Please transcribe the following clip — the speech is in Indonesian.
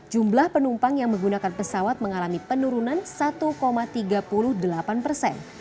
jumlah penumpang yang menggunakan pesawat mengalami penurunan satu tiga puluh delapan persen